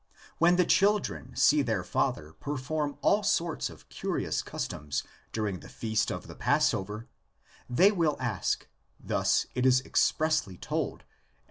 When the children see their father perform all sorts of curious customs during the Feast of the Passover, they will ask — thus it is expressly told, Ex.